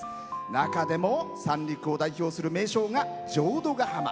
中でも、三陸を代表する名勝が浄土ヶ浜。